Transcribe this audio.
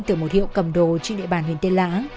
từ một hiệu cầm đồ trên địa bàn huyền tiên lã